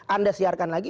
anda siarkan lagi